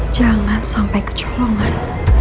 jangan sampai kecolongan